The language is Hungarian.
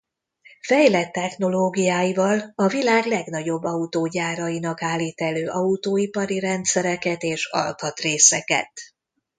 Fejlett technológiáival a világ legnagyobb autógyárainak állít elő autóipari rendszereket és alkatrészeket.